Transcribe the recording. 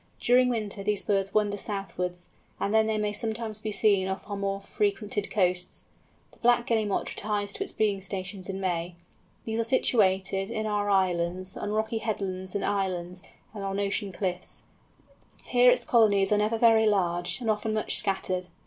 During winter these birds wander southwards, and then they may sometimes be seen off our more frequented coasts. The Black Guillemot retires to its breeding stations in May. These are situated, in our islands, on rocky headlands and islands, and on ocean cliffs. Here its colonies are never very large, and often much scattered.